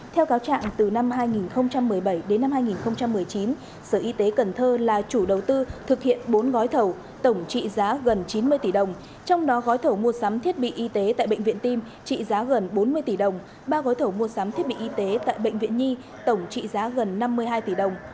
theo cáo trạng từ năm hai nghìn một mươi bảy đến năm hai nghìn một mươi chín sở y tế cần thơ là chủ đầu tư thực hiện bốn gói thầu tổng trị giá gần chín mươi tỷ đồng trong đó gói thầu mua sắm thiết bị y tế tại bệnh viện tim trị giá gần bốn mươi tỷ đồng ba gói thầu mua sắm thiết bị y tế tại bệnh viện nhi tổng trị giá gần năm mươi hai tỷ đồng